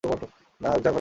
যা ঘরে যা।